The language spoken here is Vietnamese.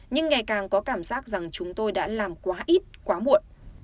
nhưng ngày càng có cảm giác rằng chúng tôi đã làm quá ít quá muộn